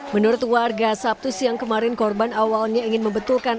menurut warga sabtu siang kemarin korban awalnya ingin membetulkan